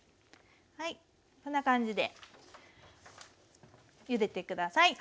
はいこんな感じでゆでて下さい。